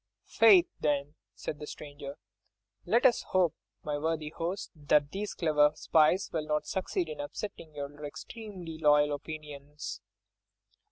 "Faith, then," said the stranger, "let us hope, my worthy host, that these clever spies will not succeed in upsetting your extremely loyal opinions."